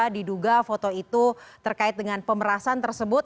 diduga foto itu terkait dengan pemerasan tersebut